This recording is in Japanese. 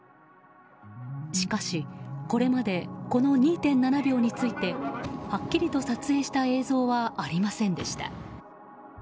しかし、これまでこの２．７秒についてはっきりと撮影した映像はありませんでした。